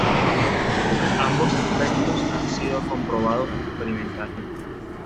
Ambos efectos han sido comprobados experimentalmente.